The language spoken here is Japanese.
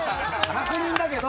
確認だけど！